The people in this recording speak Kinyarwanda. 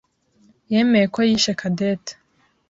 yemeye ko yishe Cadette.